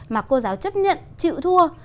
mà cô giáo chấp nhận chịu thua